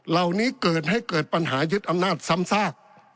เหล่านี้เกิดให้เกิดปัญหายึดอำนาจซ้ำซาก